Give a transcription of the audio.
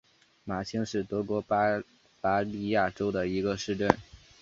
马兴是德国巴伐利亚州的一个市镇。